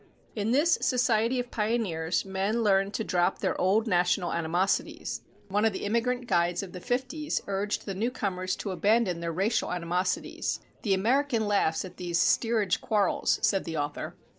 In this society of pioneers men learned to drop their old national animosities. One of the Immigrant Guides of the fifties urged the newcomers to abandon their racial animosities. "The American laughs at these steerage quarrels," said the author.